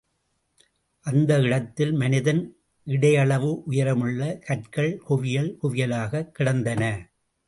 அந்த இடத்தில், மனிதனின் இடையளவு உயரமுள்ள கற்கள் குவியல் குவியலாகக் கிடந்தன.